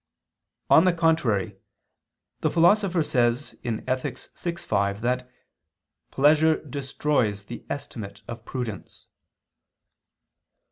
On the contrary, The Philosopher says (Ethic. vi, 5), that "pleasure destroys the estimate of prudence."